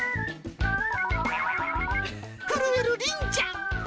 震えるりんちゃん。